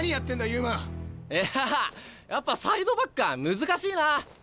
いややっぱサイドバックは難しいな。